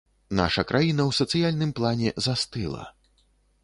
Наша краіна ў сацыяльным плане застыла.